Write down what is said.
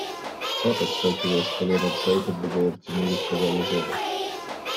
– Папа! – вскакивая с колен отца и подбегая к Тимуру, сказала Женя.